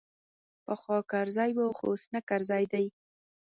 پخوا کرزی وو خو اوس نه کرزی دی.